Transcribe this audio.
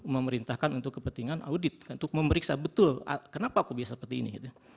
memerintahkan untuk kepentingan audit untuk memeriksa betul kenapa aku biasa seperti ini